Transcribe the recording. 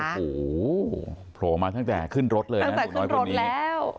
โอ้โหโผล่มาตั้งแต่ขึ้นรถเลยตั้งแต่ขึ้นรถแล้ว